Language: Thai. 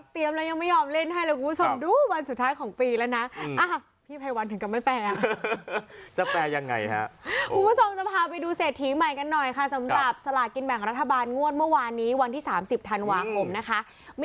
ต้องเล่นใช่ไหมเอาใหม่